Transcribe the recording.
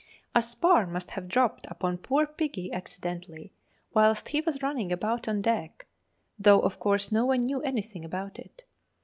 A spar must have dropped upon poor piggy accidentally whilst he was running about on deck, though of course no one knew anything about it.